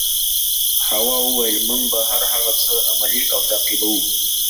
هوا وویل موږ به هر هغه څه عملي او تعقیبوو.